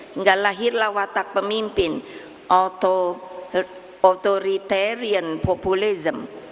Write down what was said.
hingga lahirlah watak pemimpin authoritarian populism